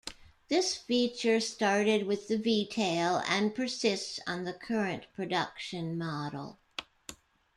This feature started with the V-tail and persists on the current production model.